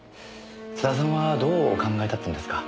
津田さんはどうお考えだったんですか？